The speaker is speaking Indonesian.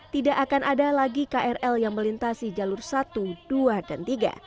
tidak akan ada lagi krl yang melintasi jalur satu dua dan tiga